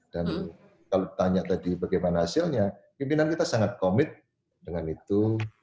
dan kalau tanya tadi bagaimana hasilnya pimpinan kita sangat komit dengan itu